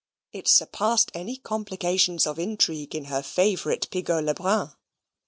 It surpassed any complications of intrigue in her favourite Pigault le Brun.